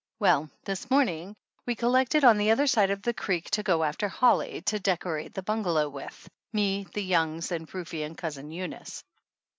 Well, this morning we collected on the other side of the creek to go after holly to decorate the bungalow with, me, the Youngs, and Rufe and Cousin Eunice.